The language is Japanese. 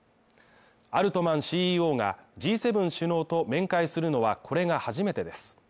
アルトマンＣＥＯがＧ７首脳と面会するのはこれが初めてです。